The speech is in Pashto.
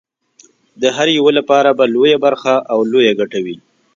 د هر یوه لپاره به لویه برخه او لویه ګټه وي.